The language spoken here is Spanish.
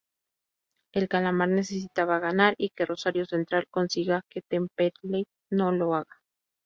El Calamar necesitaba ganar, y que Rosario Central consiga que Temperley no lo haga.